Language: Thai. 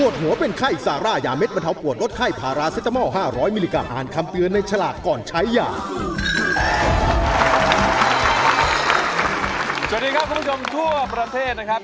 สวัสดีครับคุณผู้ชมทั่วประเทศนะครับ